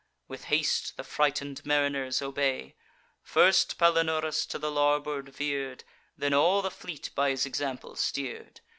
With haste the frighted mariners obey. First Palinurus to the larboard veer'd; Then all the fleet by his example steer'd.